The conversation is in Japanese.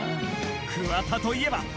桑田といえば。